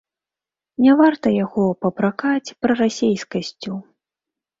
Не варта яго папракаць прарасейскасцю.